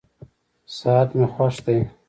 ساعت مي خوښ دی.